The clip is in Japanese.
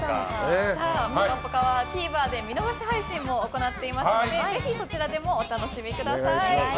「ぽかぽか」はＴＶｅｒで見逃し配信も行っていますのでぜひそちらでもお楽しみください。